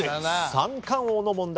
三冠王の問題